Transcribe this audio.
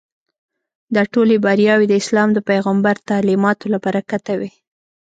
دا ټولې بریاوې د اسلام د پیغمبر تعلیماتو له برکته وې.